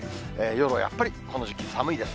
夜はやっぱりこの時期、寒いです。